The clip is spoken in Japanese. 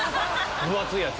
分厚いやつ。